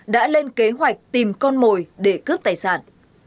đã lên kế hoạch tìm con mồi để cướp tài sản